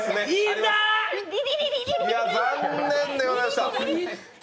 いや残念でございました。